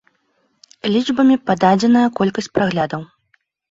Лічбамі пададзеная колькасць праглядаў.